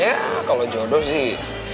ya kalau jodoh sih